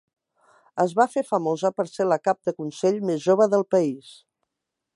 Es va fer famosa per ser la cap de consell més jove del país.